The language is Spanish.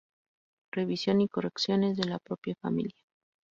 Revisión y correcciones de la propia familia.